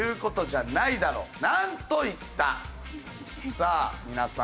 さあ皆さん